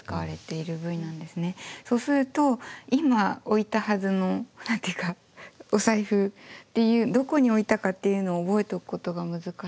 そうすると今置いたはずの何て言うかお財布っていうどこに置いたかっていうのを覚えておくことが難しくなりますし。